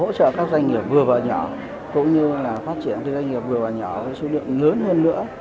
hỗ trợ các doanh nghiệp vừa và nhỏ cũng như là phát triển doanh nghiệp vừa và nhỏ với số lượng lớn hơn nữa